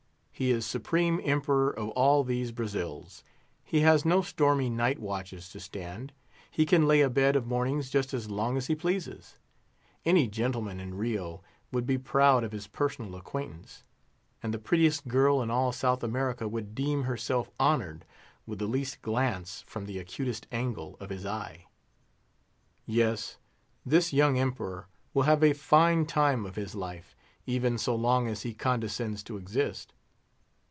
He is supreme Emperor of all these Brazils; he has no stormy night watches to stand; he can lay abed of mornings just as long as he pleases. Any gentleman in Rio would be proud of his personal acquaintance, and the prettiest girl in all South America would deem herself honoured with the least glance from the acutest angle of his eye. Yes: this young Emperor will have a fine time of this life, even so long as he condescends to exist.